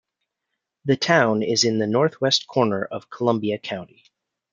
The town is in the northwest corner of Columbia County.